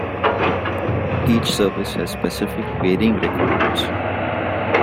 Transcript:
Each service has specific varying requirements.